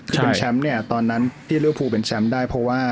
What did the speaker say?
เป็นแชมป์เนี่ยตอนนั้นที่ริวภูเป็นแชมป์ได้เพราะว่า